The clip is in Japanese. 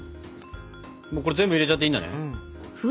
これ全部入れちゃっていいんだね？